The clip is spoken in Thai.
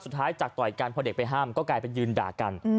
จากต่อยกันพอเด็กไปห้ามก็กลายเป็นยืนด่ากัน